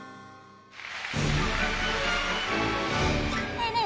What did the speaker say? ねえねえ